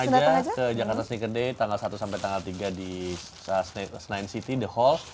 langsung datang aja ke jakarta sneakers day tanggal satu sampai tanggal tiga di senain city the hall